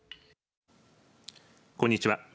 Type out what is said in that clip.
こんにちは。